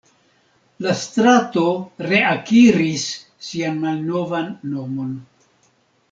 La strato reakiris sian malnovan nomon.